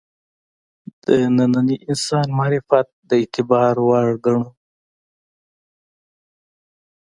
د ننني انسان معرفت د اعتبار وړ وګڼو.